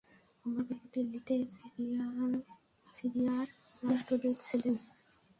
আমার বাবা দিল্লিতে সিরিয়ার রাষ্ট্রদূত ছিলেন।